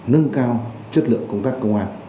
nâng cao chất lượng công tác công an